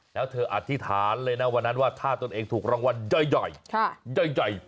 แล้วเธออธิษฐานเลยนะวันนั้นว่าถ้าตนเองถูกรางวัลย่อย